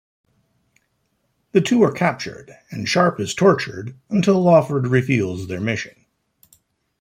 The two are captured and Sharpe is tortured until Lawford reveals their mission.